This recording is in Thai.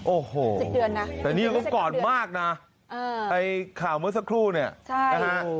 โอ้โหแต่นี่ก็กรอดมากนะไอ้ข่าวเมื่อสักครู่นี่นะฮะโอ้โห